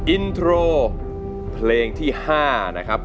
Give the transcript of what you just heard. อินโทรเพลงที่๕นะครับ